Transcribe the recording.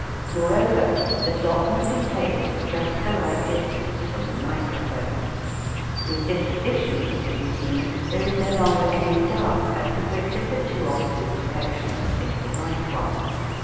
Moreover, the block must be placed at just the right distance from the micro phone. With this addition to the instrument there is no longer any doubt as to which of the two opposite directions is the right one.